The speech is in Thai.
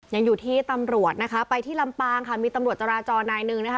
ยังอยู่ที่ตำรวจนะคะไปที่ลำปางค่ะมีตำรวจจราจรนายหนึ่งนะคะ